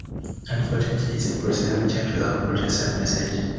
Unfortunately, it's a Protestant church without a Protestant message.